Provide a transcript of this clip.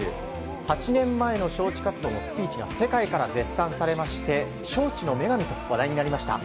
８年前の招致活動スピーチが世界から絶賛されまして招致の女神と話題になりました。